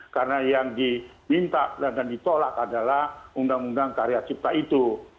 karena yang diminta dan ditolak adalah undang undang karya cipta itu